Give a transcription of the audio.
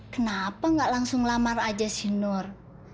kenapa nggak langsung lamar aja sih nur